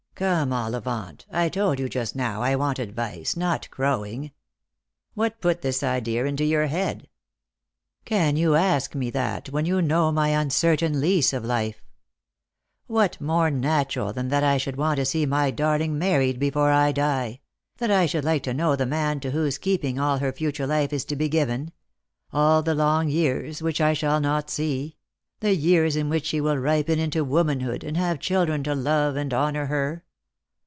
" Come, Ollivant, I told you just now I want advice not crowing." " What put this idea into your head P "" Can you ask me that when you know my uncertain lease of life ? What more natural than that I should want to see my darling married before I die ; that I should like to know the man to whose keeping all her future life is to be given — all the long years which I shall not see ; the years in which she will ripen into womanhood, and have children to love and honour her